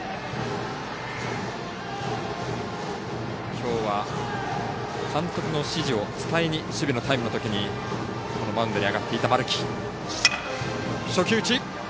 きょうは監督の指示を伝えに守備のタイムのときにマウンドに上がっていた丸木。